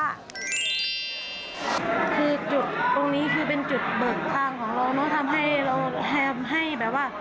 คือจุดตรงนี้คือเป็นจุดเบิกทางของเราเนอะทำให้เราพยายามให้แบบว่า